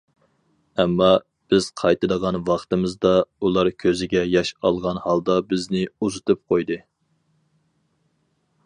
ئەمما، بىز قايتىدىغان ۋاقتىمىزدا، ئۇلار كۆزىگە ياش ئالغان ھالدا بىزنى ئۇزىتىپ قويدى.